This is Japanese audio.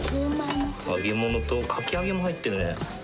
揚げ物と、かき揚げも入ってるね。